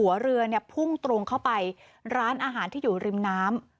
หัวเรือเนี่ยพุ่งตรงเข้าไปร้านอาหารที่อยู่ริมน้ำ